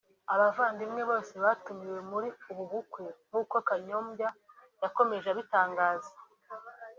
abavandimwe bose batumiwe muri ubu bukwe nkuko Kanyombya yakomeje abitangaza